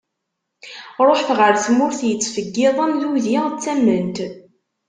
Ṛuḥet ɣer tmurt yettfeggiḍen d udi d tament.